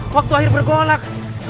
waktu akhir bergolak